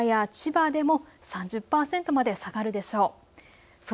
横浜や千葉でも３０％まで下がるでしょう。